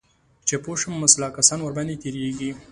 چې پوه شو مسلح کسان ورباندې تیریږي